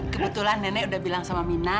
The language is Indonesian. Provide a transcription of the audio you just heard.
kebetulan nenek udah bilang sama mina